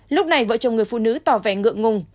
lúc này vợ chồng người phụ nữ tỏ vẻ ngựa ngùng